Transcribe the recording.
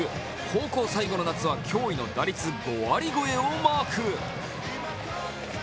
高校最後の夏は驚異の打率５割超えをマーク。